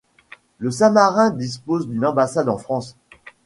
Le Saint-Marin dispose d'une ambassade en France.